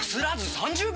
３０秒！